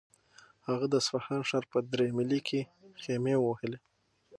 هغه د اصفهان ښار په درې میلۍ کې خیمې ووهلې.